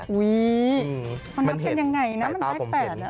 อุ๊ยมันเห็นใกล้เป้าผมเห็น